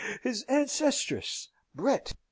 he! his ancestress! Brett!